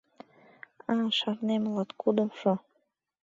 А, шарнем, латкудымшо.